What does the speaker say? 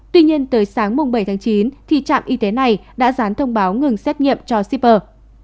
tuy nhiên tới sáng bảy tháng chín thì trạm y tế này đã dán thông báo ngừng xét nghiệm cho shipper